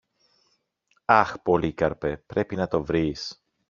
Αχ, Πολύκαρπε, Πρέπει να το βρεις!